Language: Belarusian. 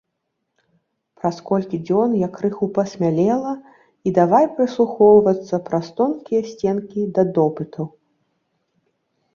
Праз колькі дзён я крыху пасмялела і давай прыслухоўвацца праз тонкія сценкі да допытаў.